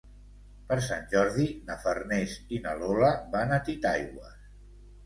Per Sant Jordi na Farners i na Lola van a Titaigües.